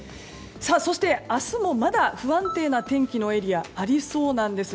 そして、明日もまだ不安定な天気のエリアがありそうなんです。